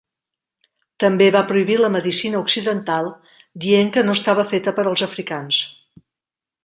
També va prohibir la medicina occidental, dient que no estava feta per als africans.